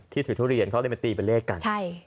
ถือทุเรียนเขาเลยมาตีเป็นเลขกัน